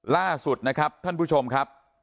ล่าสุดนะครับท่านผู้ชมครับ